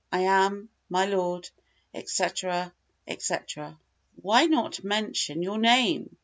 "I am, my lord, etcetera, etc." "Why not mention your name?"